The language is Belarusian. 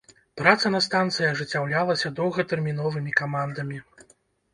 Праца на станцыі ажыццяўлялася доўгатэрміновымі камандамі.